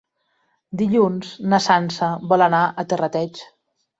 Dilluns na Sança vol anar a Terrateig.